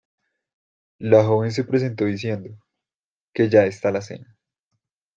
La joven se presentó diciendo que ya está la cena.